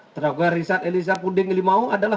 terdakwa rizal eliezer puding limau adalah